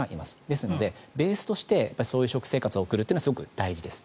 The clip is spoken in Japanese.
ですので、ベースとしてそういった食生活を送るのはすごく大事です。